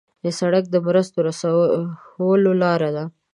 سړک د مرستو رسولو لار ده.